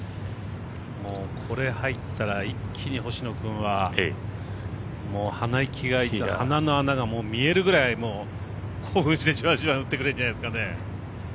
もうこれ、入ったら一気に星野君は鼻息が鼻の穴がもう見えるぐらいもう興奮して打ってくれるんじゃないですかね。